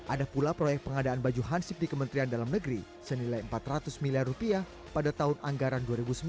ada pula proyek pengadaan baju hansip di kementerian dalam negeri senilai empat ratus miliar rupiah pada tahun anggaran dua ribu sembilan